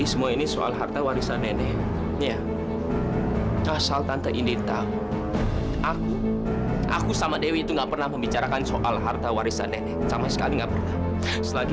kh wichtig di ujung dunia akan naik lagi